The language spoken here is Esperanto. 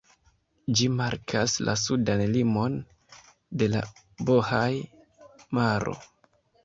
Ĝi markas la sudan limon de la Bohaj-maro.